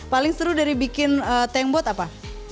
paling seru dari bikin tank bot apa